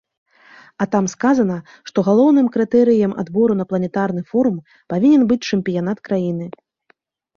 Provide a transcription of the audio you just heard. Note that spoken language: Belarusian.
А там сказана, што галоўным крытэрыем адбору на планетарны форум павінен быць чэмпіянат краіны.